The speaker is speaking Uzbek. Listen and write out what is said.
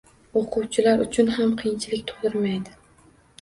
Oʻquvchilar uchun ham qiyinchilik tugʻdirmaydi.